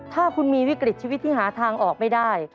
ถ้าคุณมีวิกฤตชีวิตที่หาทางออกไม่ได้